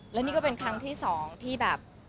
แล้วนี่ก็เป็นครั้งที่๒ที่แบบ